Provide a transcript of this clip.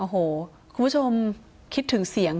โอ้โหคุณผู้ชมคิดถึงเสียง